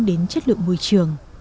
đến chất lượng môi trường